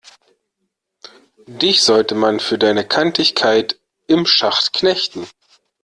Dich sollte man für deine Kantigkeit im Schacht knechten!